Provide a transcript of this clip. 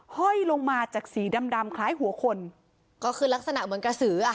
ห้อยลงมาจากสีดำดำคล้ายหัวคนก็คือลักษณะเหมือนกระสืออ่ะ